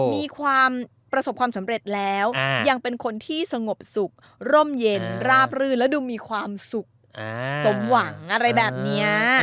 มีความประสบความสำเร็จแล้วยังเป็นคนที่สงบสุขร่มเย็นราบรื่นและดูมีความสุขสมหวังอะไรแบบนี้